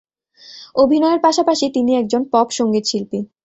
অভিনয়ের পাশাপাশি তিনি একজন পপ সঙ্গীতশিল্পী।